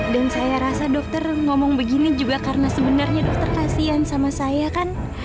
dan saya rasa dokter ngomong begini juga karena sebenarnya dokter kasihan sama saya kan